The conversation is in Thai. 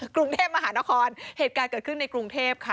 กรุงเทพมหานครเหตุการณ์เกิดขึ้นในกรุงเทพค่ะ